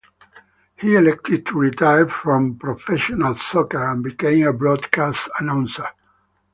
He elected to retire from professional soccer and became a broadcast announcer.